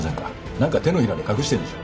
なんか手のひらに隠してんでしょ？